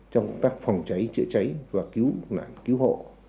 trong công tác phòng cháy chữa cháy và cứu nạn cứu hộ